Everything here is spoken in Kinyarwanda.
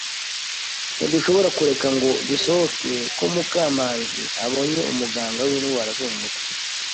Ntidushobora kureka ngo bisohoke ko Mukamanzi abonye umuganga windwara zo mumutwe.